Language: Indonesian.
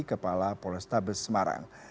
kepala polestables semarang